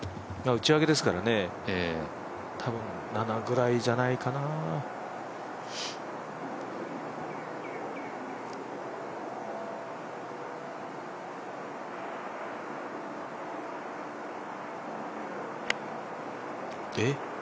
打ち上げですからね多分７ぐらいじゃないかな。え？